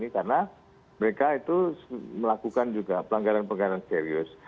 karena mereka itu melakukan juga pelanggaran pelanggaran serius